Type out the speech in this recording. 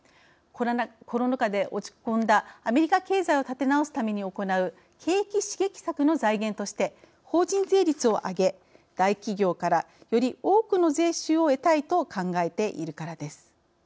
コロナ禍で落ち込んだアメリカ経済を立て直すために行う景気刺激策の財源として法人税率をあげ、大企業からより多くの税収を得たいと考えているからです。